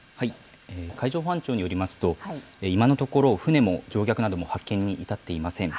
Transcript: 海上保安庁によりますと、今のところ、船も乗客なども発見に至っていません。